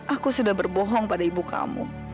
aku sudah berbohong pada ibu kamu